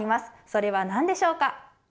それはなんでしょうか？